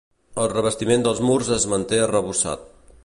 El revestiment dels murs es manté arrebossat.